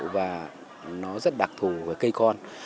và nó rất đặc thù với cây con